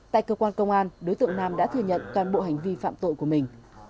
tại cơ quan công an đối tượng nam đã thừa nhận toàn bộ hành vi phạm tội của mình